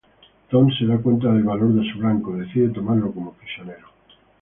Tom se da cuenta del valor de su blanco, decide tomarlo como prisionero.